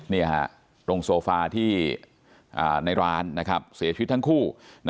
นี่ฮะตรงโซฟาที่ในร้านเสียชีวิตทั้งคู่